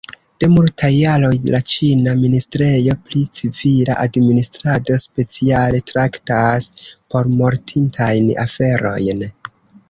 De multaj jaroj la ĉina ministrejo pri civila administrado speciale traktas pormortintajn aferojn.